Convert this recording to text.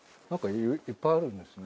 いっぱいあるんですね。